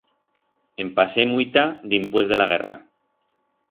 En pasé muita dimpués de la guerra.